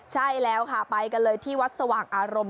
ใช่แล้วค่ะไปกันเลยที่วัดสว่างอารมณ์